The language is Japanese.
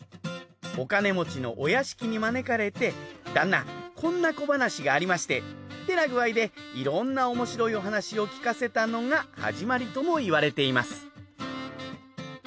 お金持ちのお屋敷に招かれて「旦那こんな小話がありまして」ってな具合でいろんなおもしろいお話を聞かせたのが始まりともいわれています